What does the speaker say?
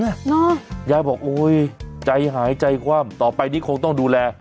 ยายบอกโอ้ยใจหายใจคว่ำต่อไปนี้คงต้องดูแล